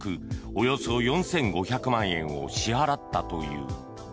およそ４５００万円を支払ったという。